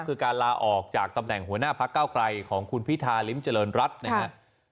คือการลาออกจากตำแหน่งหัวหน้าพักเก้าไกลของคุณพิธาริมเจริญรัฐนะครับ